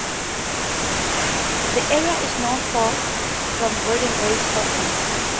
The area is known from breeding race horses.